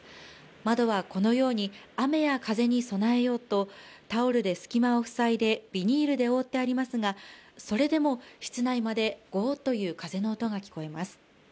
窓はこのように雨や風に備えようとタオルで隙間を塞いで、ビニールで覆ってありますが、それでも室内までゴーという風の音が聞こえます。